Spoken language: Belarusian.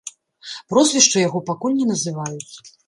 Прозвішча яго пакуль не называюць.